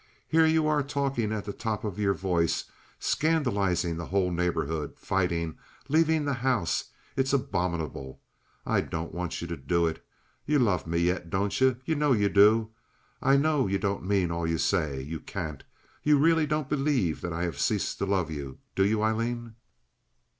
Here you are talking at the top of your voice, scandalizing the whole neighborhood, fighting, leaving the house. It's abominable. I don't want you to do it. You love me yet, don't you? You know you do. I know you don't mean all you say. You can't. You really don't believe that I have ceased to love you, do you, Aileen?"